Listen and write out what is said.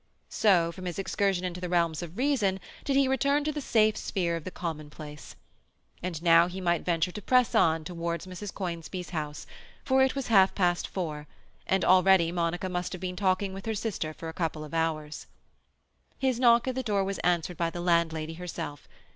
So, from his excursion into the realms of reason did he return to the safe sphere of the commonplace. And now he might venture to press on towards Mrs. Conisbee's house, for it was half past four, and already Monica must have been talking with her sister for a couple of hours. His knock at the door was answered by the landlady herself.